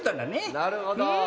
なるほど。